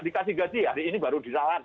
berarti hari ini baru disalat